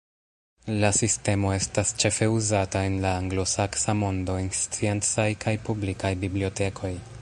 La sistemo estas ĉefe uzata en la anglosaksa mondo en sciencaj kaj publikaj bibliotekoj.